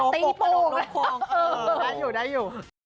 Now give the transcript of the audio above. ได้อยู่ได้อยู่